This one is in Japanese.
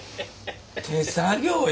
手作業よ